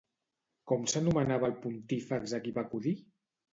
Com s'anomenava el pontífex a qui va acudir?